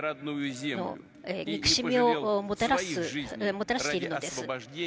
憎しみをもたらしているのです。